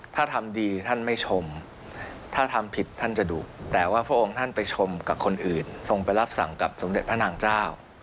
ถ้าทำดีท่านไม่ชมถ้าทำผิดท่านจะดุแต่ว่าพระองค์ท่านไปชมกับคนอื่นทรงไปรับสั่งกับสมเด็จพระนางเจ้า